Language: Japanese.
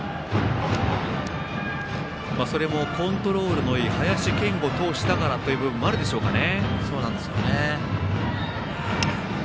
それもコントロールのいい林謙吾投手だからというところもあるんでしょうかね。